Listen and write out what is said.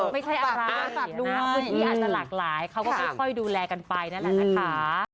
ไม่ใช่อะไรพื้นที่อาจจะหลากหลายเขาก็ค่อยดูแลกันไปนั่นแหละนะคะ